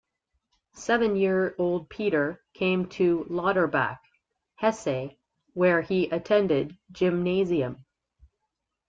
Seven-year-old Peter came to Lauterbach, Hesse where he attended gymnasium.